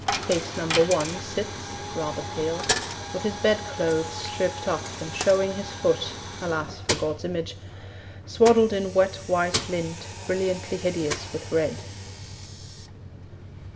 Case Number One Sits (rather pale) with his bedclothes Stripped up, and showing his foot (Alas, for God's image!) Swaddled in wet white lint Brilliantly hideous with red.